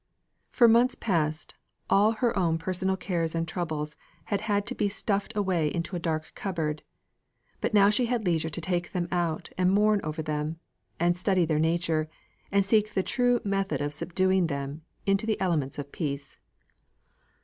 For months past, all her own personal cares and troubles had had to be stuffed away into a dark cupboard; but now she had leisure to take them out, and mourn over them, and study their nature, and seek the true method of subduing them into the elements of peace.